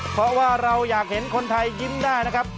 เพราะว่าเราอยากเห็นคนไทยยิ้มได้นะครับ